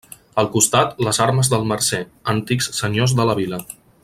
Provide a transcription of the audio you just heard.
Al costat, les armes dels Mercer, antics senyors de la vila.